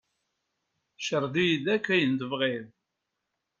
Ceṛḍ-iyi-d akk ayen tebɣiḍ!